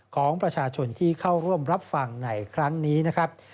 ของประชาชนที่เข้าร่วมรับฟังในครั้งนี้นะครับ